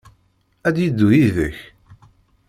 Ad d-yeddu yid-k?